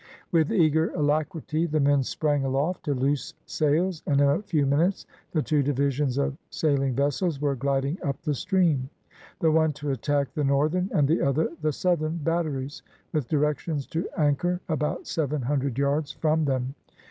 With eager alacrity the men sprang aloft to loose sails, and in a few minutes the two divisions of sailing vessels were gliding up the stream; the one to attack the northern, and the other the southern batteries, with directions to anchor about seven hundred yards from them.